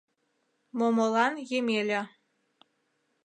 МОМОЛАН ЕМЕЛЯ